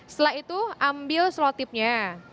setelah itu ambil slot tipnya